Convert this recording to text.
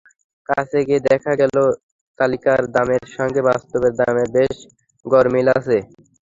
কাছে গিয়ে দেখা গেল, তালিকার দামের সঙ্গে বাস্তবের দামের বেশ গরমিল আছে।